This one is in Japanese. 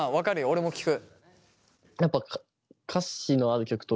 俺も聴く。